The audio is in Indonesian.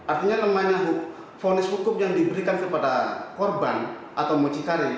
artinya lemahnya fonis hukum yang diberikan kepada korban atau mucikari